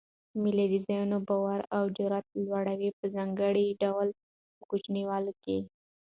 مېلې د ځان باور او جرئت لوړوي؛ په ځانګړي ډول په کوچنيانو کښي.